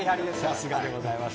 さすがでございます。